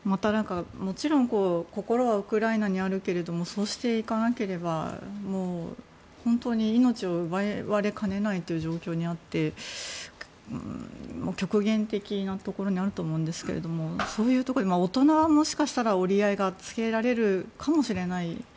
もちろん心はウクライナにあるけれどもそうしていかなければ本当に命を奪われかねない状況にあって極限的なところにあると思うんですけどそういうところで大人はもしかしたら折り合いがつけられるかもしれない。